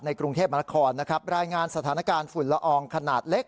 กรุงเทพมนครนะครับรายงานสถานการณ์ฝุ่นละอองขนาดเล็ก